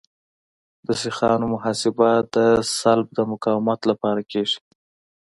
د سیخانو محاسبه د سلب د مقاومت لپاره کیږي